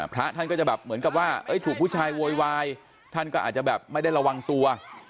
พระท่านก็จะแบบเหมือนกับว่าถูกผู้ชายโวยวายท่านก็อาจจะแบบไม่ได้ระวังตัว